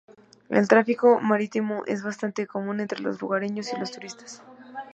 El tráfico marítimo es bastante común entre los lugareños y los turistas.